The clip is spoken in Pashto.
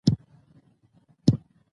باسواده ښځې د سافټویر جوړولو شرکتونه لري.